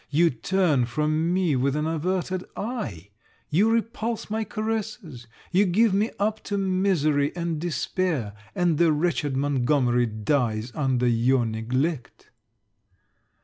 You turn from me with an averted eye. You repulse my caresses! You give me up to misery and despair; and the wretched Montgomery dies under your neglect.